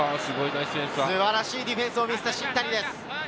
素晴らしいディフェンスを見せた新谷です。